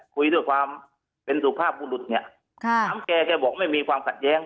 คุยด้วยความเป็นสุภาพบุรุษเนี่ยถามแกแกบอกไม่มีความขัดแย้ง